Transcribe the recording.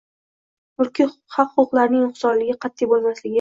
Mulkiy haq-huquqlarning nuqsonliligi, qat’iy bo‘lmasligi